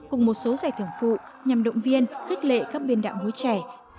cùng một số giải thưởng phụ nhằm động viên khích lệ các biên đạo múa trẻ